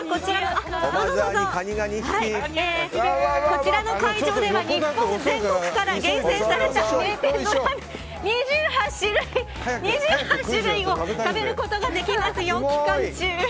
こちらの会場では日本全国から厳選された名店のラーメン２８種類を食べることができますよ。